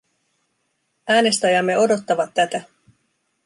Äänestäjämme odottavat tätä.